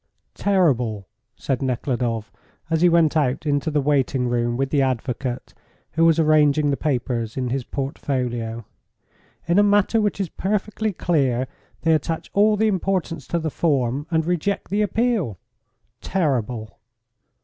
"Terrible," said Nekhludoff, as he went out into the waiting room with the advocate, who was arranging the papers in his portfolio. "In a matter which is perfectly clear they attach all the importance to the form and reject the appeal. Terrible!"